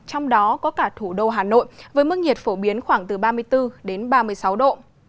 trong đó có cả thủ đô hà nội với mức nhiệt phổ biến khoảng từ ba mươi bốn đến ba mươi sáu độ